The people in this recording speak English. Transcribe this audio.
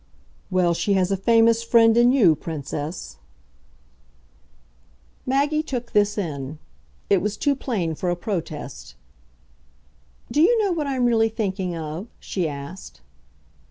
"Well, she has a famous friend in you, Princess." Maggie took this in it was too plain for a protest. "Do you know what I'm really thinking of?" she asked.